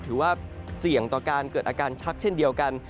ถือว่าเสี่ยงต่อการเกิดอาการชักเช่นเดียวกัน